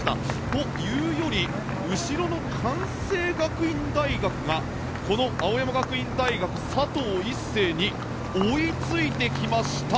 というより後ろの関西学院大学がこの青山学院大学佐藤一世に追いついてきました。